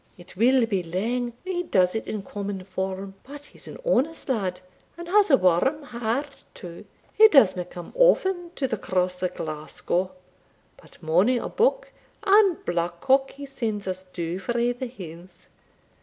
it will be lang or he does it in common form. But he's an honest lad, and has a warm heart too; he disna come often to the Cross o' Glasgow, but mony a buck and blackcock he sends us doun frae the hills.